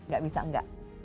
gak bisa enggak